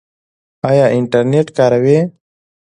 ایا انټرنیټ کاروئ؟